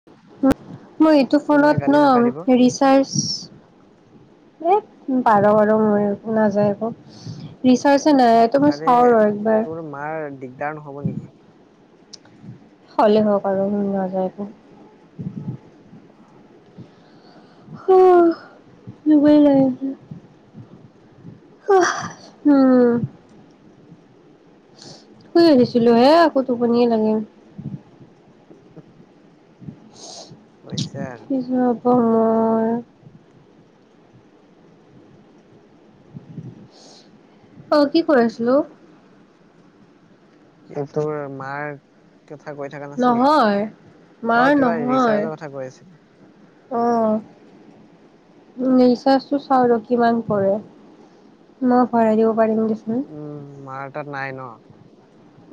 [inaudible] মই এইটো তোমাই ফোনত ন গালি নাপাৰিব ৰিচাৰ্জ [unintelligible] [unintelligible] ৰিচাৰ্জ আৰে তোৰ মাৰ দিগদাৰ নহব নেকি? হ'লেই হওক আৰু নাযায় একো। [inaudible] আহ! [unintelligible] উম! শুই আহিছিলোহে আকৌ টোপনিয়ে লাগে। হৈছে আৰু [unintelligible] [unintelligible] ঘৰ অ'হ কি কৰি আছিলোঁ। এই তোৰ মাৰ কথা কৈ থকা নাছিলি, নহয় মাৰ অ কিবা নহয় ৰিচাৰ্জৰ কথা কৈ আছিলি। ‌ অ ৰিচাৰ্জতো চাও ৰ, কিমান পৰে, মই ভৰাই দিওঁ। [unintelligible] উম মাৰ তাত নাই ন?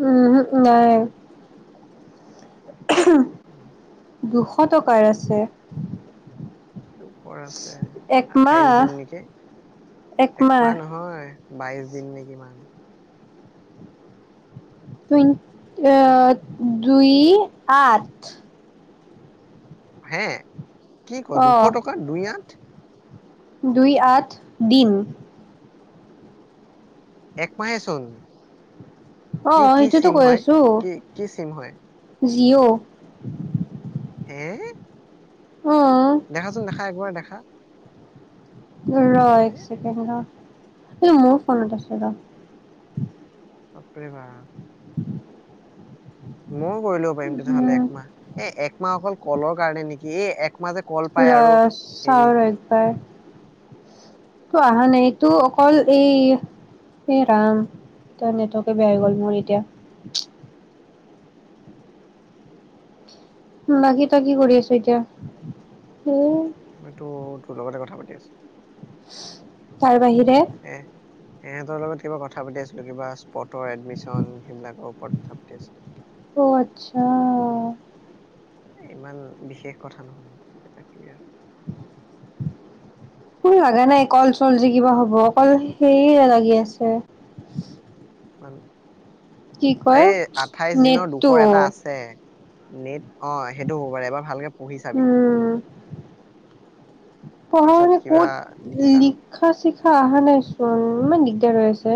উমহম নাই। উম! দুশ টকাৰ আছে। [unintelligible] আছে আঠাইশ একমাহ দিন নেকি? একমাহ নহয়। বাইশ দিন নে কিমান? অ' দুই আঠ। হে? কি কঅ? দুশ অঁ টকা দুই আঠ? দুই আঠ, দিন। একমাহে চোন। কি, অঁ কি সেইটোতো চিম হয়? কি, কি চিম হয়? যিঅ'। হে? দেখাচোন দেখা, একবাৰ দেখা। কি ৰ কৰে এক চেকেণ্ড, ৰ। মোৰ ফোনত আছে ৰ। বাপৰে‌ বা, ময়ো কৰি লব পাৰিম তেতিয়াহ'লে একমাহ। এ একমাহ অকল কলৰ কাৰণে নেকি? এই এক মাহ জে, ৰ চাও ৰ একবাৰ অহা নাই এইটো অকল এই, এই ৰাম নেটৱৰ্কে বেয়া হৈ গ'ল মোৰ এতিয়া। বাকি ত‌ই কি কৰি আছ এতিয়া? উ ম‌ইটো তোৰ লগতে কথা পাতি আছো। তাৰ বাহিৰে [unintelligible] এ সিহঁতৰ লগত কিবা কথা পাতি আছিলো কিবা। পতৰ এডমিচন, সেইবিলাকৰ ওপৰত কথা পাতি আছো। অ' আচ্ছা ইমান বিশেষ কথা নহয় কিবাকিবি আৰু। কোনো লাগা নাই কল চল যে কিব হ'ব অকল সেয় লাগি আছে। আৰু কি [unintelligible] কয় এই আঠাইশ দিনৰ নেটটো দুখৰ এটা আছে। নেট অ সেইটো হ'ব পাৰে এবাৰ ভালকে পঢ়ি চাবি। পিছত পঢ়ানে কিবা ক'ত দিগদাৰ হ'ব লিখা- চ অহা নাই চোন ইমান দিগদাৰ হৈ আছে।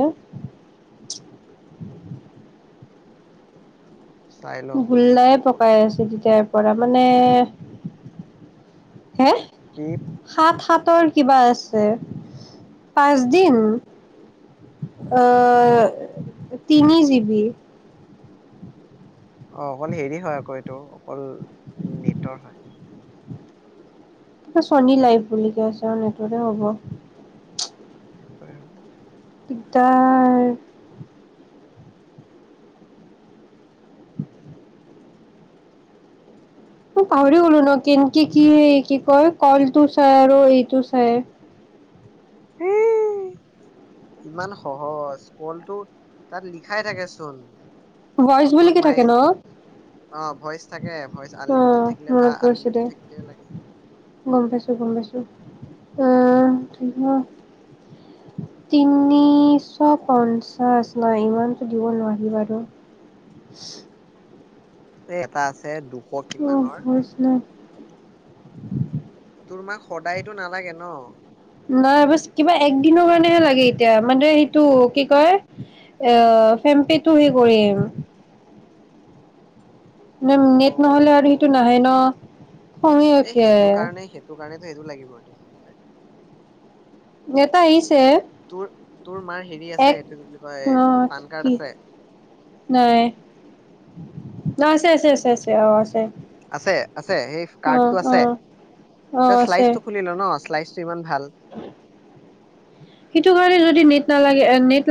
চাই ল গোল্লাই প পাই আছো তেতিয়াৰ পৰা মানে, হে কি সাত সাত তৰ কিবা আছে, পাঁচদিন আহ তিনি জিবি। অ অকল হেৰি হয় আকৌ ত অকল নেটৰ হয়। চনী লাইফ বুলি কয় চা নেটকে হ'ব। এইটে হ'ব। দিগদাৰ। তই পাহৰি গ'লো ন কেনকে কি কি কয় কলটো চাই আৰু এইটো চাই। ইমান সহজ, কলটো তাত লিখাই থাকেচোন। ভইচ বুলি প্ৰথমত কি মায়ে থাকে অ ভইচ থাকে, ভইচ আহ আনলিমিটেড থাকিলে মনত ভাল পৰিছে দে, আনলিমিটেড থাকিলে লাগে গম পাইছো গম পাইছো। আহ, তিনিশ পঞ্চাশ নাই ইমানতো দিব নোৱাৰি বাৰু এ এটা আছে দুশ কিমানৰ আহচনা [unintelligible] তোৰ মাক সদায়তো নালাগে ন? নাইব কিবা একদিনৰ কাৰণেহে লাগে এতিয়া মান সেইটো কি কয় এ কম্পেটো [unintelligible] হে কৰিম মানে অ নেট নহলে আৰু সেইটো নাহে ন শমি এই উঠে সেইটো কাৰণে সেইটো [unintelligible] কাৰণেতো সেইটো লাগিব এইটো বুলি কয় এটা আহিছে তো তোৰ মাৰ হেৰি আছে এক এইটো কি বুলি কয় আঠ পান কি কাৰ্ড আছে নাই ন আছে আছে আছে আছে অ আছে আছে আছে সেই অ কাৰ্ড টো অ আছে অ আছে শ্লাইজটো খুলি ল ন চালাইছটো ইমান ভাল সেইটো কাৰণে যদি ন নালাগে নেট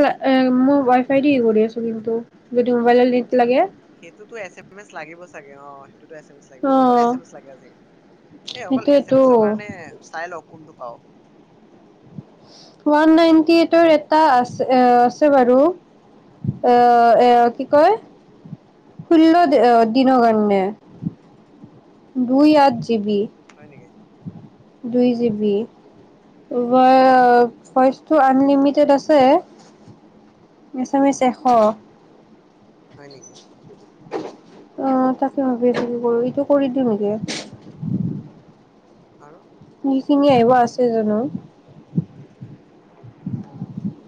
মই ৱাই ফাই দি কৰি আছো কিন্তু যদি মোবাইলৰ নেট লাগে সেইটোতো এছ এম এছ লাগিব চাগে অ ল অ চবতে এচেমেচ এ লাগে আজালি এই অকল এছ মে সেইটোয়েতো এছৰ কাৰণে চাই লও হয় ওৱান নাইনটি এইটৰ এটা আছে এ আছে বাৰু এ এ কি কয় ষোল্ল দিনৰ কাৰণণে দুই আঠ জিিবি হয় নেকি দুই জিবি ভইচটো আনলিমিটেড আছে এছ এম এছ এশ হয় নেকি আহ তাকে ভাবি আছো কি কৰো ইটো কৰি দিওঁ নেকি আৰু খিঙি [unintelligible] আহিব আছে জানো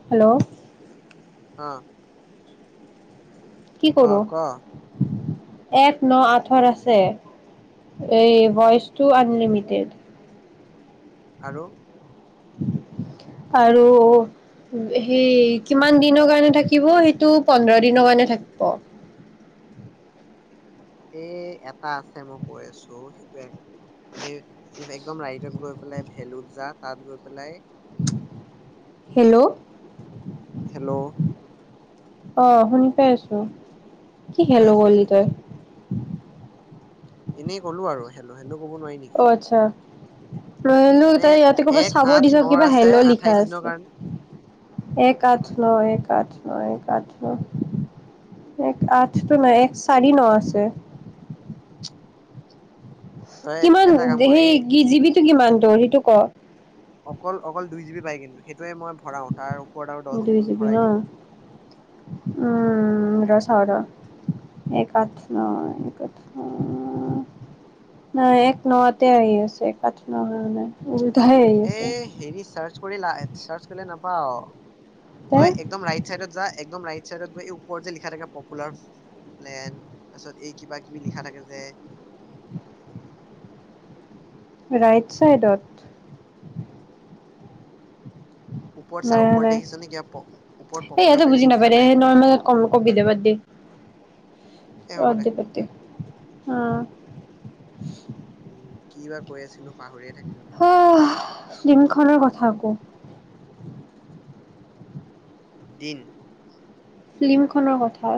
হেল্ল' অ কি অ কৰো কোৱা এক ন আঠৰ আছে এই ভইচটো আনলিমিটেড আৰু আৰু সেই কিমান দিনৰ কাৰণে থাকিব সেইটো পোন্ধৰ দিনৰ কাৰণে থাকিব এ এটা আছে মই কৈ আছো সেইটোে একদম ৰাইটত গৈ পেলাই ভেলুত যা তাত গৈ পেলাই হেল্ল' হেল্ল' আহ শুনি পাই আছো কি পাই খেলো আছো কলি পাই তই আছো এনেই ক'লো আৰু হেলো হেলো ক'ব নোৱাৰি নেকি [inaudible] ননো মানে তাই ইয়াতে ক'ৰবাত এক চাব আঠ দিছ নৰ কিবা আছে হেল লিখা আঠাইশ দিনৰ আছে কাৰণে এক আঠ নহয় [unintelligible] ন এক কাঠ ন এক আঠ ন এক আঠটো নাই এক চাৰি ন আছে তই কিমান এটা কাম কৰ এই সেই কি জীৱ কিমান দূৰ সেইটো ক অকল অকল দুই জি বি পায় কিন্তু সেইটোৱে মই ভৰাও তাৰ ওপৰত আৰু দহ জিবি দুই মান জি বি ন ভৰাই দিওঁ উম এক আঠ ন আঠ ন নাই এক ন আহি আছে এক আঠ ন নে এ হেৰি চাৰ্চ কৰি চাৰ্চ কৰিলে নাপাই নাপাওঁ তে ত একদম ৰাইট চাইডত যা একদম ৰাইট চাইড গৈ এই ওপৰত যে লিখা থাকে পপুলাৰ প্লেন তাৰপিছত এই কিবা কিবি লিখা থাকে যে ৰাইট ছাইডত ওপৰত চা নাই ওপৰত নাই দেখিছ নে কিবা প- ওপৰত এ পপুলাৰ ইয়াতো প্লেন বুজি একো নাপায় লিখা দে নাই নয় মত কম কবি দে বাদ দি ৰ দে বাদ দি অঁ [inaudible] উম কি বা কৈ আছিলো পাহৰিয়ে থাকিলো নহয় আঁহ লিমখনৰ কথা আকৌ দিন ফিল্মখনৰ কথা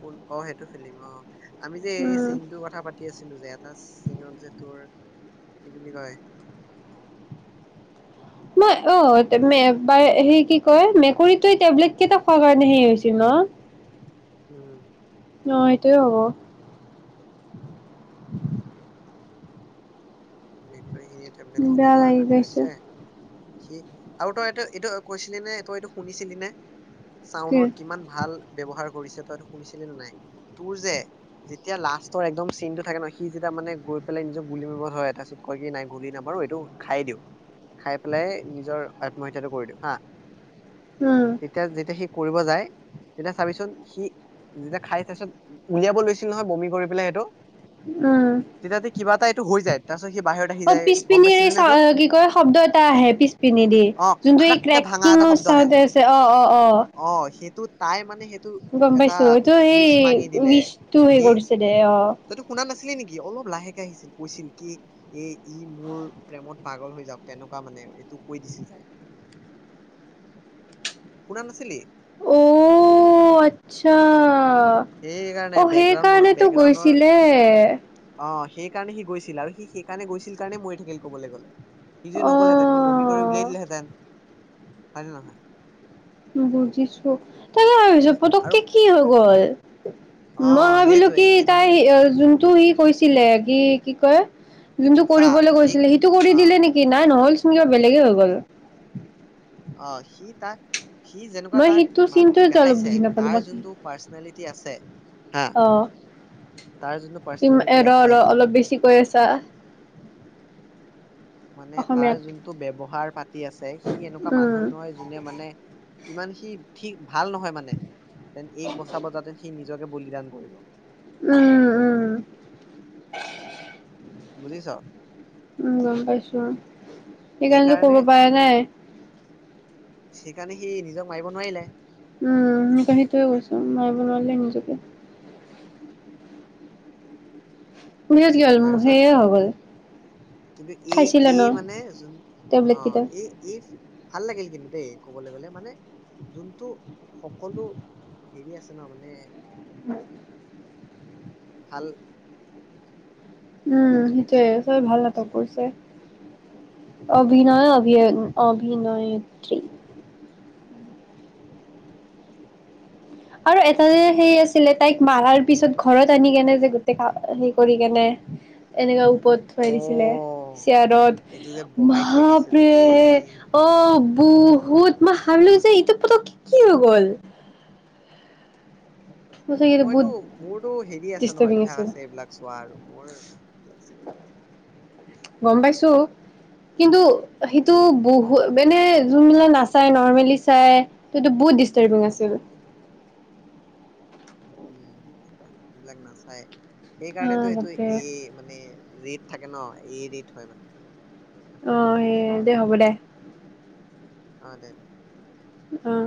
ক অঁ সেইটো ফিলিম অঁ আমি যে এই উম চীনটোৰ কথা পাতি আছিলো যে, এটা চীনত যে তোৰ কি বুলি কয়? মই অঁ, স-কি-কয় মেকুৰীটো এই টেবলেট কেইটা খোৱাৰ কাৰণে হেৰি হৈছিল ন। উম। ন এইটো হব। নি [unintelligible] িন [unintelligible] টেবেলেত বেয়া খোৱাৰ লাগি কাৰণে গৈছে হৈছে। সি আৰু তই এইটো-এইটো কৈছিলি নে তই এইটো শুনিছিলি নে? কি চাউনৰ কিমান ভাল ব্যৱহাৰ কৰিছে তইটো শুনিছিলি নে নাই, তোৰ যে যেতিয়া লাষ্টৰ একদম চিনটো থাকে ন, সি যেতিয়া মানে গৈ পেলাই নিজৰ গুলি মাৰত হয় এটা কয় কি নাই গুলি নামাৰো এইটো খাই দিওঁ। খাই পেলাই নিজৰ আত্মহত্যাটো কৰি দিওঁ হাঁ। উম, তেতিয়া যেতিয়া শি কৰিব যায় তেতিয়া চাবিচোন সি যেতিয়া খাই তাৰিছত উলিয়াব লৈছিল নহয় বমি কৰি পেলাই সেইটো তেতিয়া তে কিবা এটা এইটো হৈ যায়। তাৰপিছত সি বাহিৰত আহি অঁ যায় গম পিছপিনিৰ এই পাইছিলি নে এইটো চ-কি কয় শব্দ এটা আহে পিছপিন দি অ যোনটো এই খাৰাককে ভাঙা ক্ৰেিং এটা শব্দ আহে চাতে আছে অঁ', অঁ', অঁ', অ সেইটো তাই মানে সেইটো গম এটা পাইছো তটো সেই উইচ মাঙি দিলে উইচটো হে কৰিছে দে অ। তইতো শুনা নাছিলি কি নেকি অলপ লাহেকে আহিছিল কৈছিল। কি এ ই মোৰ প্ৰেমত পাগল হৈ যাওঁক, তেনেকুৱা মানে এইটো কৈ দিছিল যাই শুনা নাছিলি? অঁঔ, আচ্ছা। অঁ', সেইকাৰণে অঁ', বেকগ্ৰাউণ্ড সেইকাৰণেতো বেকগ্ৰাউণ্ডৰ গৈছিলে। অ সেই কাৰণে সি গৈছিল, আৰু সি সেইকাৰণে গৈছিল কাৰণে মৰি থাকিল কবলৈ গ'লে। সি যি নগললেহেঁতেন সি বমি কৰি অ'। উলিয়াই দিলে হেঁতেন। হয়নে, নহয়? বুজিছো তাক কি হয়। আৰু পতককে কি হৈ গ'ল অ মই ভাবিলো সেইটোৱে কি সি তাই নহলে যোনটো সি কৈছিলে কি, কি কয় যোনটো চা কৰিবলৈ সি গৈছিলে, সেইটো কৰি অ দিলে নেকি নাই নহল চো কিবা বেলেগে হৈ গ'ল। অ, সি তাই- সি যেনেকুৱা মই তাক সেইটো চিনটোৱে মানুহটোক যে অলপ দেখাইছে, বুজি নাপালো তাৰ বাকী যোনটো পাৰ্চনেলিটি আছে হা, অ'। তাৰ যোনটো পাৰ্চনেলিটি ৰ আছে ৰ অলপ বেছি কৈ আছা মানে তাৰ অসমীয়াত যোনটো ব্যৱহাৰ পাতি আছে, সি এনেকুৱা উম। মানুহে নহয় যোনে মানে ইমান সি ঠিক ভাল নহয় মানে তেন এইক বছাব জাতে সি নিজ নিজকে বলিদান কৰিব। উম, উম বুজিছ উম গম পাইছো সেইকাৰণেটো সেইকাৰণে কৰিব পাৰা নাই সেইকাৰণে সি নিজক মাৰিব নোৱাৰিলে উম [unintelligible] সেইটোয়ে কৈছো মাৰিব নোৱাৰিলে নিজকে পিছত কি হ'ল তাৰপিছত সেয়ে হৈ গ'ল কিন্তু এ খাইছিলে ন এ মানে যোন টেবলেট অ কেইটা। এ ই ভাল লাগিল কিন্তু দেই ক'বলৈ গলে মানে যোনটো সকলো হেৰি আছে ন মানে ভাল উম ভাল সেইটোৱে লাগিছে চব ভাল নাটক কৰিছে। অভিনয় অভি অভিনয়েত্ৰী আৰু অ এটা যে সেই আছে ছিলে তাইক মাৰাৰ পিছত ঘৰত আনি কেনে যে গোটেই কা হেৰি কৰি কেনে এনেকা উ- পত অ থৈ দিছিলে এইটো যে চিয়াৰদত বহাই থৈ দিছে যে এই মা--প্ৰি অ- বহুত মই ভাবিলো যে ইটো পতক কি কি হৈ গল সঁচাকে মইতো বহুত মোৰতো হেৰি আছে ন ডিষ্টাৰ্বিং অভ্যাস আছিল আছে এইবিলাক চোৱাৰ মোৰ [unintelligible] গম পাইছো কিন্তু সেইটো বহু মানে যোনবিলাক নাচাই নৰ্মেলি চাই সেইটো বহুত ডিষ্টাৰ্বিং উম আছিল। উমি [unintelligible] এইবিলাক নাচায় অ সেইকাৰণেটো সেইটো বাপৰে এ মানে যিত থাকে ন এৰ দি থয় মানে। অ সে দে হ'ব দে। অ দে আহ